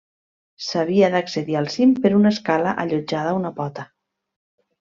S'havia d'accedir al cim per una escala allotjada a una pota.